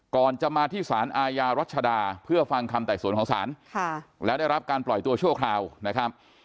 ก่อนจะมาที่สารอาญารัชดาเพื่อฟังคำไต่สวนของศาลแล้วได้รับการปล่อยตัวชั่วคราวนะครับ